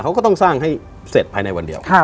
เขาก็ต้องสร้างให้เสร็จภายในวันเดียว